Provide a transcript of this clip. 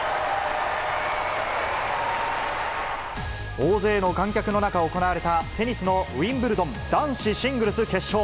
大勢の観客の中行われた、テニスのウィンブルドン、男子シングルス決勝。